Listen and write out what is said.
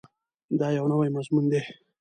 دا یو نوی مضمون دی.